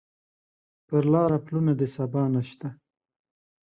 پر لاره پلونه د سبا نشته